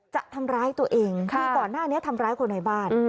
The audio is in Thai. จะทำร้ายตัวเองคือก่อนหน้านี้ทำร้ายคนในบ้าน